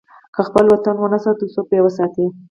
که خپل وطن ونه ساتو، څوک به یې وساتي؟